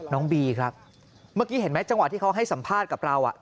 น้องบีครับเมื่อกี้เห็นไหมจังหวะที่เขาให้สัมภาษณ์กับเรา